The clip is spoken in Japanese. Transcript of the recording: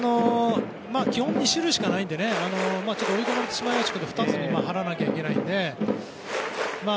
基本２種類しかないので追い込まれてしまうと２つに張らなきゃいけないので。